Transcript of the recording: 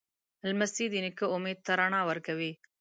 لمسی د نیکه امید ته رڼا ورکوي.